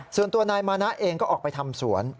ส่วนตัวนายมานะเองก็ออกไปทำสวน